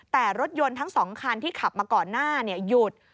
แต่รถยนต์ทั้ง๒คันที่ขับมาก่อนหน้าหยุด